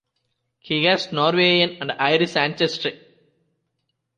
He has Norwegian and Irish ancestry.